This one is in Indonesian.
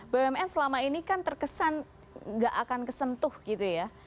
bumn selama ini kan terkesan gak akan kesentuh gitu ya